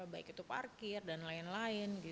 baik itu parkir dan lain lain